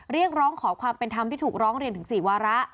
เรียกร้องขอความเป็นธรรมที่ถูกร้องเรียนถึง๔วาระ